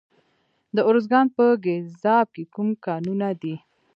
د ارزګان په ګیزاب کې کوم کانونه دي؟